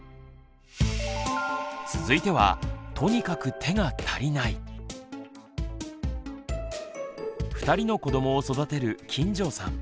続いては２人の子どもを育てる金城さん。